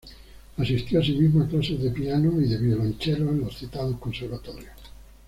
Asistió asimismo a clases de piano y de violoncello en los citados conservatorios.